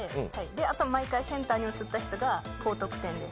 あと毎回センターに写った人が高得点です。